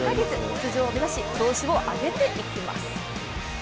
出場を目指し調子を上げていきます。